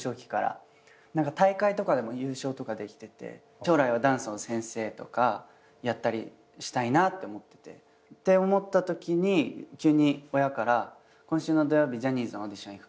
将来はダンスの先生とかやったりしたいなって思ってて。って思ったときに急に親から「今週の土曜日ジャニーズのオーディション行くから」みたいに言われて。